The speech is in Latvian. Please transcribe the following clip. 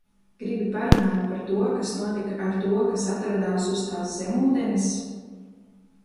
Gribi parunāt par to, kas notika ar to, kas atradās uz tās zemūdenes?